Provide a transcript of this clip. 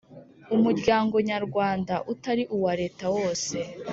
Umuryango Nyarwanda utari uwa Leta wose